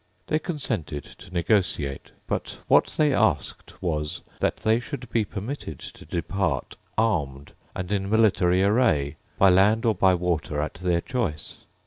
They consented to negotiate. But what they asked was, that they should be permitted to depart armed and in military array, by land or by water at their choice.